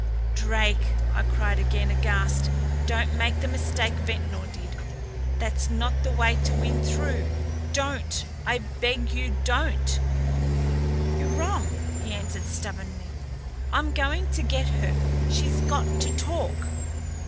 "Drake," I cried again, aghast, "don't make the mistake Ventnor did. That's not the way to win through. Don't I beg you, don't." "You're wrong," he answered stubbornly. "I'm going to get her. She's got to talk."